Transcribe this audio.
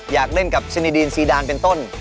อยากเล่นกับซินีดีนซีดานเป็นต้น